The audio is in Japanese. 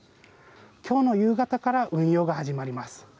きょうの夕方から運用が始まります。